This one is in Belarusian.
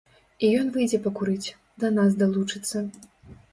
І ён выйдзе пакурыць, да нас далучыцца.